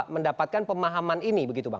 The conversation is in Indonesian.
mendapatkan pemahaman ini begitu bang